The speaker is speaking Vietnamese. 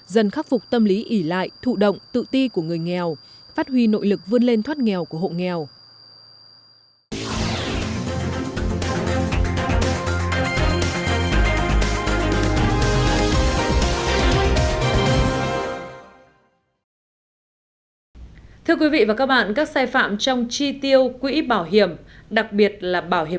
dần khắc phục tâm lý ỉ lại thụ động tự ti của người nghèo phát huy nội lực vươn lên thoát nghèo của hộ nghèo